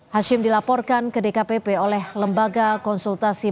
hashim dilaporkan ke dkpp oleh lembaga konsultasi